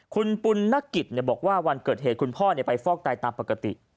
คุณปุณนกิจบอกว่าวันเกิดเหตุคุณพ่อไปฟอกไตตามปกติ